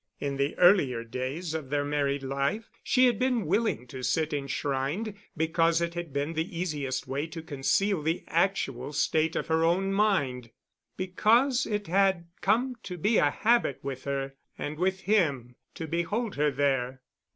In the earlier days of their married life she had been willing to sit enshrined because it had been the easiest way to conceal the actual state of her own mind; because it had come to be a habit with her—and with him to behold her there.